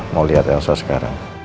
mau liat elsa sekarang